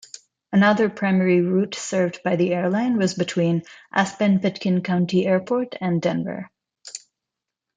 Another primary route served by the airline was between Aspen-Pitkin County Airport and Denver.